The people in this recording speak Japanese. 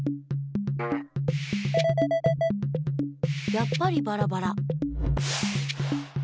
やっぱりバラバラ。